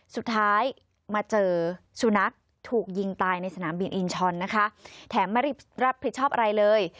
สุดท้ายมาเจอสุนัขถูกยิงตายในสนามบินอินชอนนะคะแถมไม่ได้รับผิดชอบอะไรเลย